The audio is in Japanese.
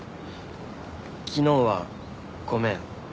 昨日はごめん。